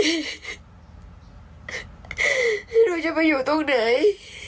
ยี่ยยยนว่าจะไปอยู่ตรงไหน